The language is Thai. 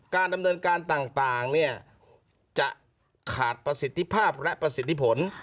การดำเนินการต่างเนี่ยจะขาดประสิทธิภาพและประสิทธิผล